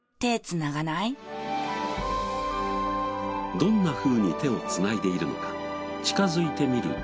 どんなふうに手を繋いでいるのか近づいてみると。